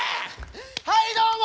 はいどうも！